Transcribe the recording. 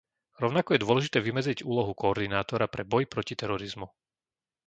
Rovnako je dôležité vymedziť úlohu koordinátora pre boj proti terorizmu.